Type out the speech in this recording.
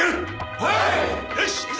はい！